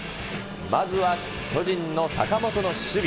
まずは巨人の坂本の守備。